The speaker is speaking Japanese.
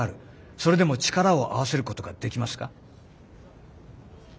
それでも力を合わせることができますか？